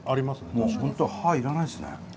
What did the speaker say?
もうほんと歯要らないですね。